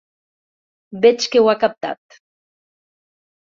Veig que ho ha captat.